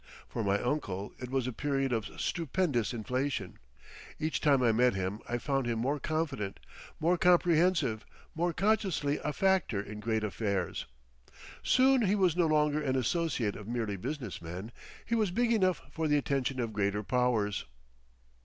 For my uncle it was a period of stupendous inflation. Each time I met him I found him more confident, more comprehensive, more consciously a factor in great affairs. Soon he was no longer an associate of merely business men; he was big enough for the attentions of greater powers.